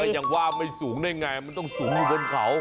ยังว่าไม่สูงได้ไงมันต้องสูงอยู่บนเขา